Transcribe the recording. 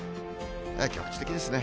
局地的ですね。